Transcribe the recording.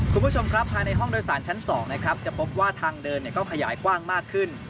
คุณผู้ชมครับภายในห้องโดยสารชั้น๒นะครับจะพบว่าทางเดินก็ขยายกว้างมากขึ้น